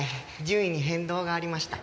順位に変動がありました。